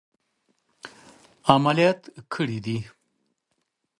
عملیات کړي دي.